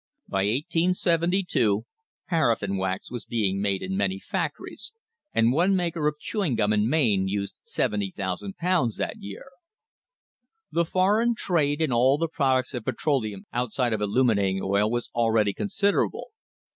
By 1872 paraf fine wax was being made in many factories, and one maker of chewing gum in Maine used 70,000 pounds that year. The foreign trade in all the products of petroleum outside of illuminating oil was already considerable.